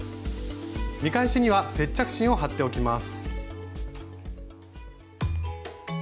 見返しには接着芯を貼っておきます。